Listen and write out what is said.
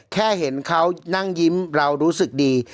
แค่เห็นเขานั่งยิ้มเรารู้สึกดี